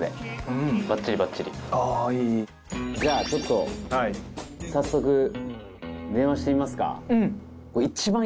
じゃあちょっと早速電話してみますか。